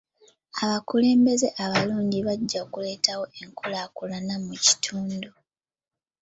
Abakulembeze abalungi bajja kuleetawo enkulaakulana mu kitundu.